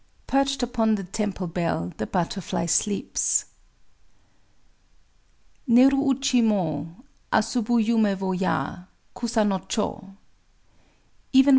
[Perched upon the temple bell, the butterfly sleeps:] Néru uchi mo Asobu yumé wo ya— Kusa no chō!